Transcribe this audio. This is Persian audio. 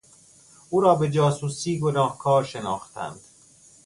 او را به جاسوسی گناهکار شناختند.